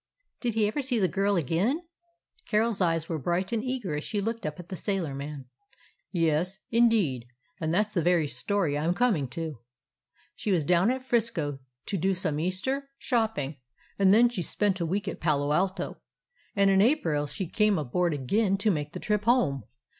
"Did he ever see the girl again?" Carol's eyes were bright and eager as she looked up at the sailor man. "Yes, indeed, and that 's the very story I 'm coming to. "She was down at 'Frisco to do some Easter 223 DOG HEROES OF MANY LANDS shopping, and then she spent a week at Palo Alto; and in April she came aboard again to make the trip home.